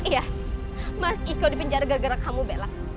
iya mas iko dipenjara gara gara kamu bella